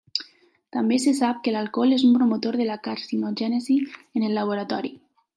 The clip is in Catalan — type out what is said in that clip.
També se sap que l'alcohol és un promotor de la carcinogènesi en el laboratori.